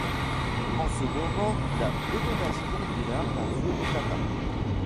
En ce moment la détonation d’une arme à feu éclata.